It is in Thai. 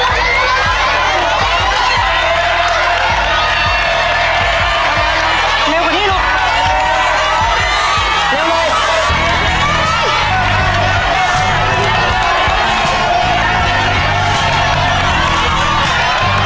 เดี๋ยวไปที่นี่ลูก